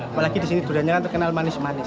apalagi disini duriannya kan terkenal manis manis